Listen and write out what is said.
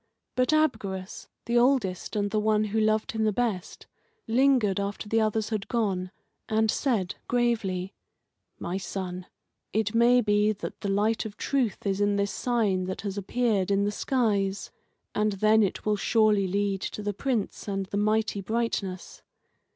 But Abgarus, the oldest and the one who loved him the best, lingered after the others had gone, and said, gravely: "My son, it may be that the light of truth is in this sign that has appeared in the skies, and then it will surely lead to the Prince and the mighty brightness.